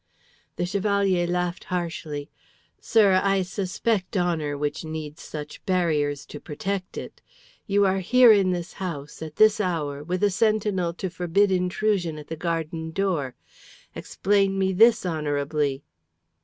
The Chevalier laughed harshly. "Sir, I suspect honour which needs such barriers to protect it. You are here, in this house, at this hour, with a sentinel to forbid intrusion at the garden door. Explain me this honourably."